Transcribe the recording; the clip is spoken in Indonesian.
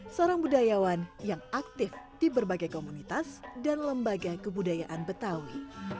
seorang budayawan yang aktif di berbagai komunitas dan lembaga kebudayaan betawi